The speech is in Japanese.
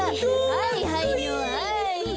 はいはいのはい。